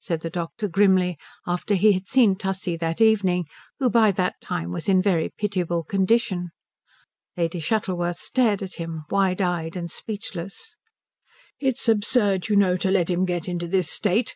said the doctor grimly after he had seen Tussie that evening, who by that time was in a very pitiable condition. Lady Shuttleworth stared at him, wide eyed and speechless. "It's absurd, you know, to let him get into this state.